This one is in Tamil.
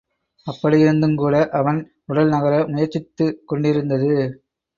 அப்படியிருந்துங்கூட அவன் உடல் நகர முயற்சித்துக் கொண்டிருந்தது.